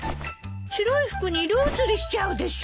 白い服に色移りしちゃうでしょ。